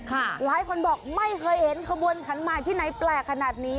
หลายคนบอกไม่เคยเห็นขบวนขันใหม่ที่ไหนแปลกขนาดนี้